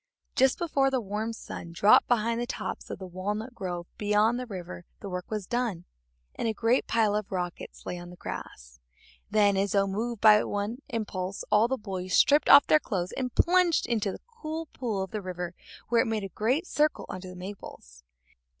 Just before the warm sun dropped behind the tops of the walnut grove beyond the river the work was done, and a great pile of rockets lay on the grass. Then, as though moved by one impulse, all the boys stripped off their clothes and plunged into the cool pool of the river where it made a great circle under the maples.